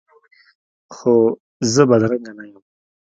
خو زه بدرنګه نه یم